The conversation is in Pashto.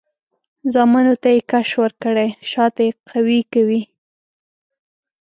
زامنو ته یې کش ورکړی؛ شاته یې قوي کوي.